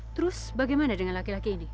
terus bagaimana dengan laki laki ini